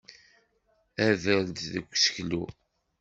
Ader-d seg useklu.